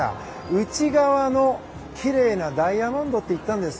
内側のきれいなダイヤモンドと言ったんです。